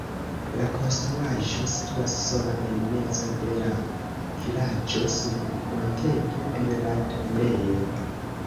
La konstruaĵo situas sola en mezo de la vilaĝo sur monteto en la tombejo.